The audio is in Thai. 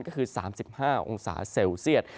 ก็คือ๓๕องศาเซลเซียต